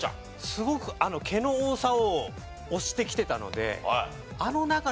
すごく毛の多さを推してきてたので。